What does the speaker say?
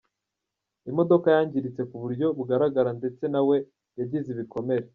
Imodoka yangiritse kuburyo bugaragara ndetse na we yagize ibikomere.